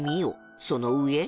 その上